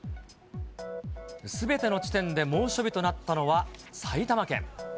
すべての地点で猛暑日となったのは、埼玉県。